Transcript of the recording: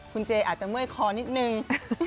คุณเจอาจจะเมื่อยคอนิดนึง